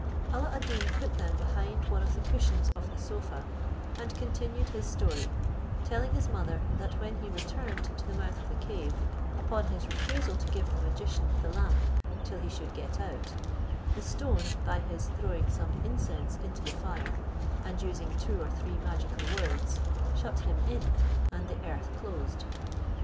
Alla ad Deen put them behind one of the cushions of the sofa, and continued his story, telling his mother, that when he returned to the mouth of the cave, upon his refusal to give the magician the lamp till he should get out, the stone, by his throwing some incense into the fire, and using two or three magical words, shut him in, and the earth closed.